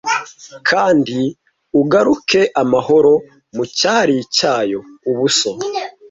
Kandi ugaruke amahoro mucyari cyayo? Ubuso